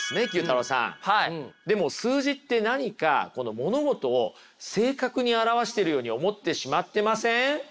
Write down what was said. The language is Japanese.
でも数字って何か物事を正確に表してるように思ってしまってません？